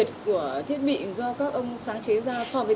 do các ông sáng chế ra so với